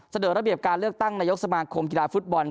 เสนอระเบียบการเลือกตั้งนายกสมาคมกีฬาฟุตบอล